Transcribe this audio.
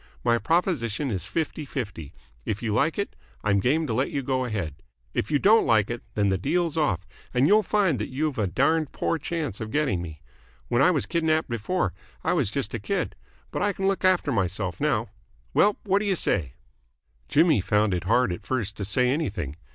My proposition is fifty fifty. If you like it, I'm game to let you go ahead. If you don't like it, then the deal's off, and you'll find that you've a darned poor chance of getting me. When I was kidnapped before, I was just a kid, but I can look after myself now. Well, what do you say?" Jimmy found it hard at first to say anything.